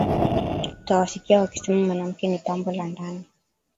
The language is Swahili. Utawasikia wakisema mwanamke ni pambo la ndani